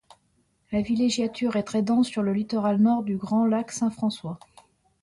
La villégiature est très dense sur le littoral nord du Grand lac Saint-François.